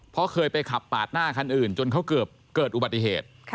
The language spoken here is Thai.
เพราะเคยไปขับปาดหน้าคันอื่นจนเขาเกิดอุบัติเหตุ